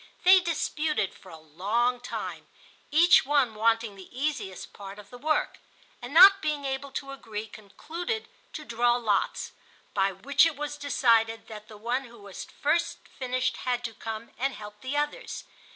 They disputed for a long time—each one wanting the easiest part of the work—and not being able to agree, concluded to draw lots; by which it was decided that the one who was first finished had to come and help the others.